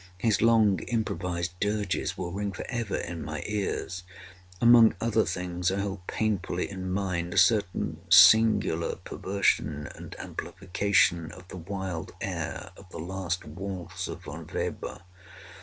His long improvised dirges will ring forever in my ears. Among other things, I hold painfully in mind a certain singular perversion and amplification of the wild air of the last waltz of Von Weber.